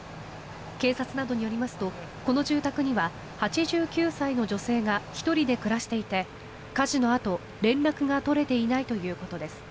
警察などによりますとこの住宅には８９歳の女性が１人で暮らしていて火事のあと、連絡が取れていないということです。